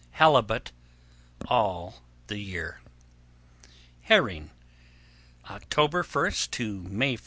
Halibut All the year. Herring October 1 to May 1.